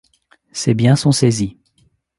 Ses biens sont saisis.